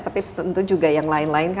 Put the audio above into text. tapi tentu juga yang lain lain